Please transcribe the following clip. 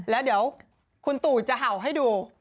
แล้วเดี๋ยวคุณตู่จะเห่าให้ดู